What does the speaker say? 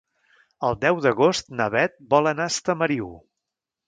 El deu d'agost na Beth vol anar a Estamariu.